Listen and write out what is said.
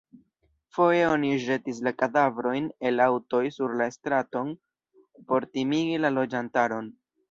Foje oni ĵetis la kadavrojn el aŭtoj sur la straton por timigi la loĝantaron.